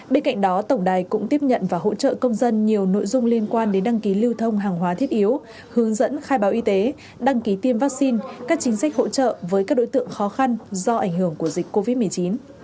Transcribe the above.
bên cạnh đó tổng đài cũng tiếp nhận và hỗ trợ công dân nhiều nội dung liên quan đến đăng ký lưu thông hàng hóa thiết yếu hướng dẫn khai báo y tế đăng ký tiêm vaccine các chính sách hỗ trợ với các đối tượng khó khăn do ảnh hưởng của dịch covid một mươi chín